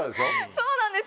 そうなんです！